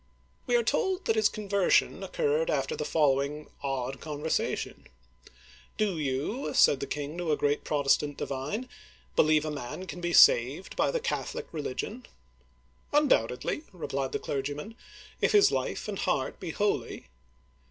We are told that his conversion occurred after the following odd conversation :" Do you," said the king to a great Protestant divine, " believe a man can be saved by the Catholic religion ?"" Undoubtedly," replied the clergyman, " if his life and heart be holy."